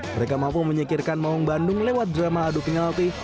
mereka mampu menyekirkan maung bandung lewat drama aduk ngelapi